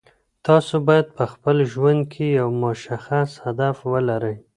تاسو باید په خپل ژوند کې یو مشخص هدف ولرئ.